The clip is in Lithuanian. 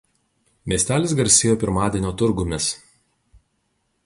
Miestelis garsėjo pirmadienio turgumis.